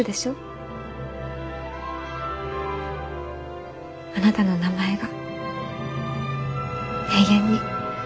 あなたの名前が永遠に。